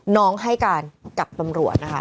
น้องให้กันกับปำรวจนะคะ